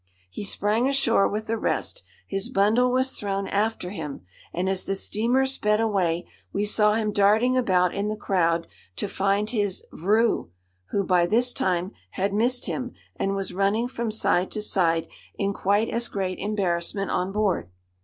He sprang ashore with the rest, his bundle was thrown after him, and, as the steamer sped away, we saw him darting about in the crowd to find his vrouw, who by this time had missed him, and was running from side to side, in quite as great embarrassment on board.